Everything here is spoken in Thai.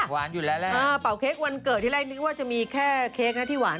อยู่แล้วแหละเออเป่าเค้กวันเกิดที่แรกนึกว่าจะมีแค่เค้กนะที่หวาน